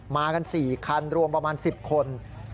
มากัน๔คันรวมประมาณ๑๐คน